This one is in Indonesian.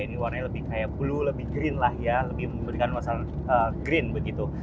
ini warnanya lebih kayak blue lebih green lah ya lebih memberikan masalah green begitu